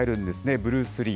ブルース・リー。